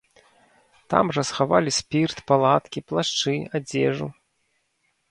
Там жа схавалі спірт, палаткі, плашчы, адзежу.